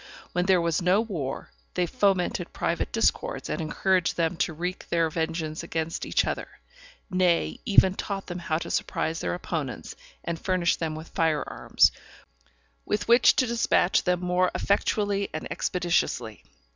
When there was no war, they fomented private discords, and encouraged them to wreak their vengeance against each other; nay, even taught them how to surprise their opponents, and furnished them with fire arms, with which to dispatch them more effectually and expeditiously.